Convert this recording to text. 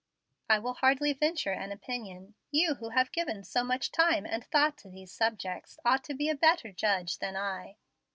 "I will hardly venture an opinion. You, who have given so much time and thought to these subjects, ought to be a better judge than I."